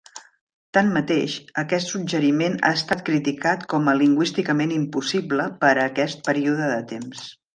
Tanmateix, aquest suggeriment ha estat criticat com a "lingüísticament impossible" per a aquest període de temps.